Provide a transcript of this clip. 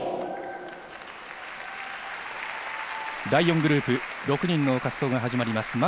第４グループ、６人の滑走が始まります。